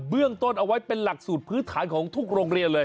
เรื่องต้นเอาไว้เป็นหลักสูตรพื้นฐานของทุกโรงเรียนเลย